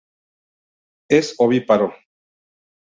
Es ovíparo.